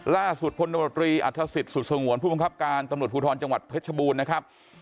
ล่าสุดพลโดบตรีอาทธสิตสู่ส่งหวนผู้ขับการตำรวจภูทรจังหวัดพรชบูรณ์นะครับ